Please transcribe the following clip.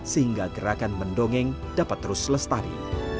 sehingga gerakan mendongeng dapat terus lestari